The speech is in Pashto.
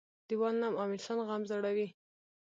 - دیوال نم او انسان غم زړوي.